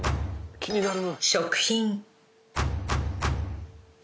気になるな。